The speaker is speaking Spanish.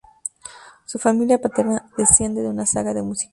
Su familia paterna desciende de una saga de músicos.